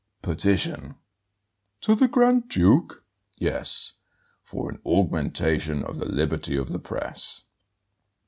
"Petition." "To the Grand Duke?" "Yes; for an augmentation of the liberty of the press."